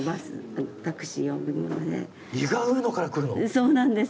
そうなんです。